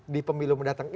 di pemilu mendatang